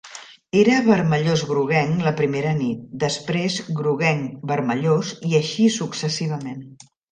Era vermellós-groguenc la primera nit, després groguenc-vermellós, i així successivament.